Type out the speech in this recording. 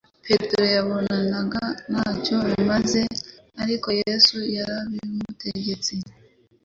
Petero yabonaga ntacyo bimaze; ariko Yesu yarabimutegetse.